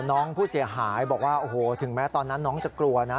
น้องผู้เสียหายบอกว่าโอ้โหถึงแม้ตอนนั้นน้องจะกลัวนะ